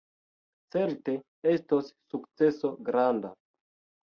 Certe estos sukceso granda!